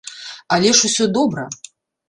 Але ж усё добра!